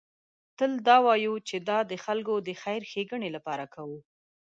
تل دا وایو چې دا د خلکو د خیر ښېګڼې لپاره کوو.